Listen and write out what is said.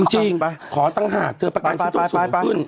จริงขอต่างหากเธอประกันชีวิตต้องสูงกว่าขึ้น